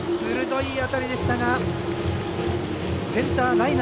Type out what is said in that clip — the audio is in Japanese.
いい当たりでしたね。